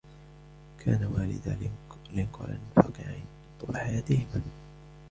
كان والدا لنكولن فقيرين طول حياتهما.